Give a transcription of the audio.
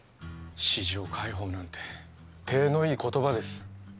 市場開放なんて体のいい言葉です